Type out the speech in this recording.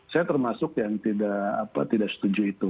saya termasuk yang tidak setuju itu